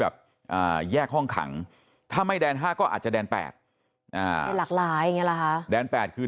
แบบแยกห้องขังถ้าไม่แดน๕ก็อาจจะแดน๘หลักหลายแบบแบบ๘คือ